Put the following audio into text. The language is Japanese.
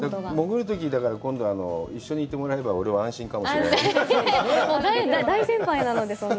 潜るときに、今度は一緒に行ってもらえれば俺は安心かもしれない。